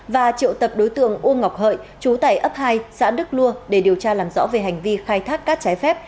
và triệu tập đối tượng uông ngọc hợi chú tải ấp hai xã đức lua để điều tra làm rõ về hành vi khai thác cát trái phép